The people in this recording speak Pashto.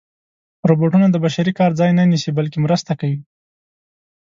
روبوټونه د بشري کار ځای نه نیسي، بلکې مرسته کوي.